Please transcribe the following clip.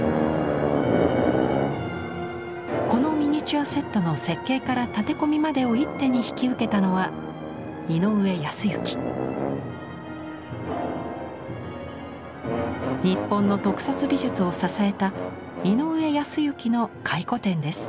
このミニチュアセットの設計から建て込みまでを一手に引き受けたのは日本の特撮美術を支えた井上泰幸の回顧展です。